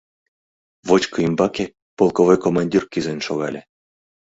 Вочко ӱмбаке полковой командир кӱзен шогале.